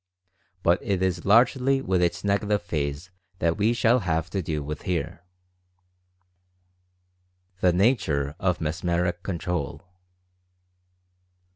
But it is largely with its Negative phase that we shall have to deal with here. THE NATURE OF MESMERIC CONTROL.